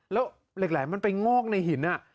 แล้วเหล็กไหลมันไปงอกในหิน